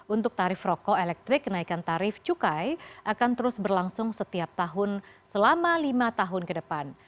untuk tarif rokok elektrik kenaikan tarif cukai akan terus berlangsung setiap tahun selama lima tahun ke depan